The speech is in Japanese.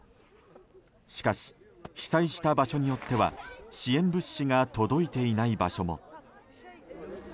しかし、被災した場所によっては支援物資が届いていない場所も。